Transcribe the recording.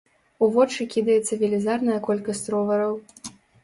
У вочы кідаецца велізарная колькасць ровараў.